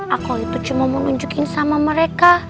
aku itu cuma mau nunjukin sama mereka